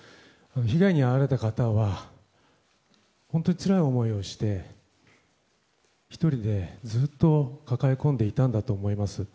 被害に遭われた方は本当につらい思いをして１人でずっと抱え込んでいたんだと思います。